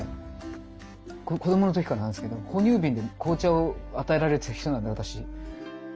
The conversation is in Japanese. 子どもの時からなんですけど哺乳瓶で紅茶を与えられてる人なんで私。